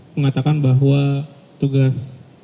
mengatakan bahwa tugas